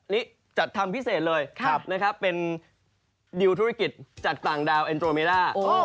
นี่จัดทำพิเศษเลยนะครับเป็นดิวธุรกิจจากต่างดาวเอ็นโรเมล่า